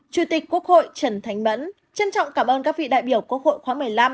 chủ tịch quốc hội trần thanh mẫn trân trọng cảm ơn các vị đại biểu quốc hội khóa một mươi năm